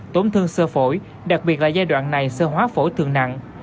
tổn thương sơ phổi đặc biệt là giai đoạn này sơ hóa phổi thường nặng